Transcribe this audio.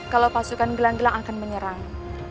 kalau pasukan gelang gelang akan menyerang